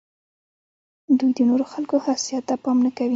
دوی د نورو خلکو حساسیت ته پام نه کوي.